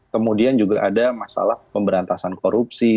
kemudian juga ada masalah pemberantasan korupsi